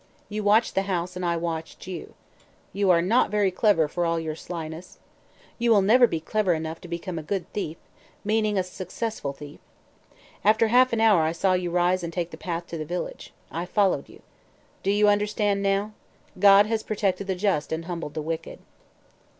You watched the house and I watched you. You are not very clever, for all your slyness. You will never be clever enough to become a good thief meaning a successful thief. After a half hour I saw you rise and take the path to the village. I followed you. Do you understand now? God has protected the just and humbled the wicked."